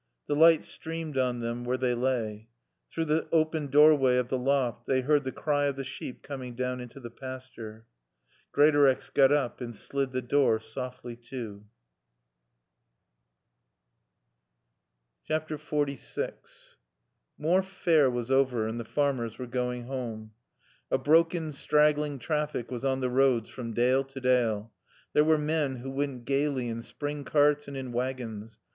The light streamed on them where they lay. Through the open doorway of the loft they heard the cry of the sheep coming down into the pasture. Greatorex got up and slid the door softly to. XLVI Morfe Fair was over and the farmers were going home. A broken, straggling traffic was on the roads from dale to dale. There were men who went gaily in spring carts and in wagons.